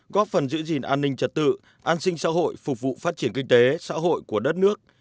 góp phần giữ gìn an ninh trật tự an sinh xã hội phục vụ phát triển kinh tế xã hội của đất nước